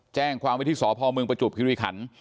แจ้งความวิธีสอพเมืองประจุบกิโลธิ์ขันต์